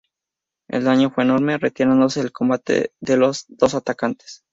El daño fue enorme, retirándose del combate las dos atacantes.